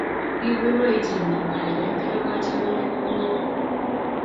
Kiboibochin kalyet irobochi eunek ngwony